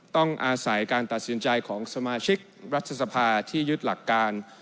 ต้องอาศัยการตัดสินใจของสมาชิกรัฐสภาที่ยึดหลักการ